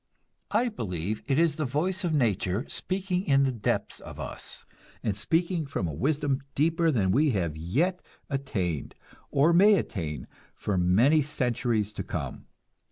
I believe that it is the voice of nature speaking in the depths of us, and speaking from a wisdom deeper than we have yet attained, or may attain for many centuries to come.